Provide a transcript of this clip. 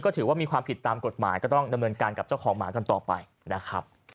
ถือว่ามีความผิดตามกฎหมายก็ต้องดำเนินการกับเจ้าของหมากันต่อไปนะครับ